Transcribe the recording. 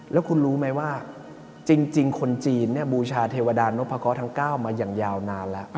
แล้วคุณรู้ไหมว่าจริงคนจีนบูชาเทวดานพกรทั้ง๙มาอย่างยาวนานแล้ว